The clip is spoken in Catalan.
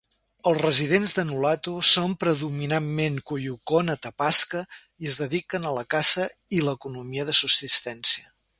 Els residents de Nulato són predominantment Koyukon Atapasca i es dediquen a la caça i l'economia de subsistència.